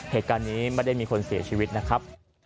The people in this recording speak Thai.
เหตุการณ์นี้ไม่ได้มีคนเสียชีวิตนะครับ